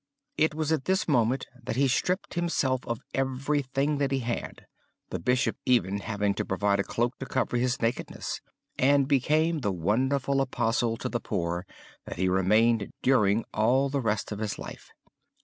It was at this moment that he stripped himself of everything that he had, the Bishop even having to provide a cloak to cover his nakedness, and became the wonderful apostle to the poor that he remained during all the rest of his life.